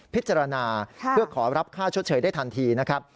พิจารณาเพื่อขอรับค่าชดเชยได้ทันทีนะครับ